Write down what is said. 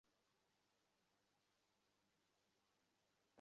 এরপর তত্ত্বাবধায়ক সরকারের আমলে হুজির মূলধারার দাবিদার অংশ ছিল ধরাছোঁয়ার বাইরে।